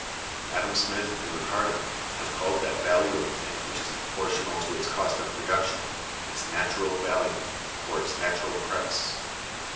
Adam Smith and Ricardo have called that value of a thing which is proportional to its cost of production, its Natural Value (or its Natural Price).